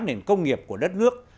nền công nghiệp của đất nước